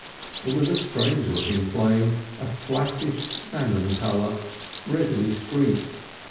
It was a strange looking flame, a flattish salmon colour, redly streaked.